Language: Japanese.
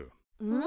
ん？